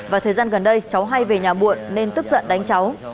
và thời gian gần đây cháu hay về nhà muộn nên tức giận đánh cháu